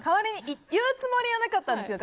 言うつもりはなかったんですよ。